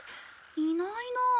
いないなあ。